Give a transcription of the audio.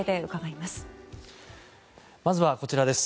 まずはこちらです。